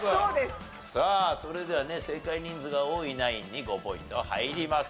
さあそれではね正解人数が多いナインに５ポイント入ります。